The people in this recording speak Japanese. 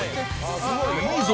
いいぞ！